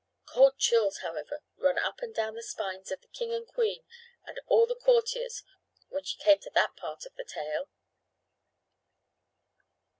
Cold chills, however, ran up and down the spines of the king and queen and all the courtiers when she came to that part of the tale.